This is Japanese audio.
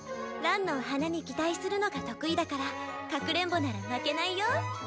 ランのおはなに擬態するのが得意だからかくれんぼなら負けないよ。